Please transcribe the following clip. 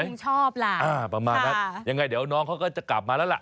คงชอบล่ะอ่าประมาณนั้นยังไงเดี๋ยวน้องเขาก็จะกลับมาแล้วล่ะ